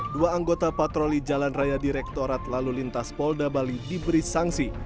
dua anggota patroli jalan raya direktorat lalu lintas polda bali diberi sanksi